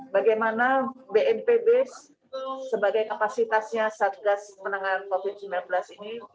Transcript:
bagaimana bnpb sebagai kapasitasnya satgas penanganan covid sembilan belas ini